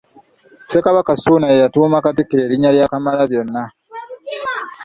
Ssekabaka Ssuuna ye yatuuma Katikkiro we erinnya lya Kamalabyonna.